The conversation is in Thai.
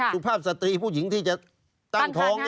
สุขภาพสตีผู้หญิงที่จะ